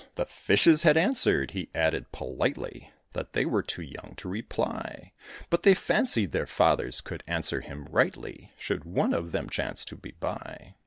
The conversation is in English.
"The fishes had answered," he added, politely, "That they were too young to reply; But they fancied their fathers could answer him rightly, Should one of them chance to be by."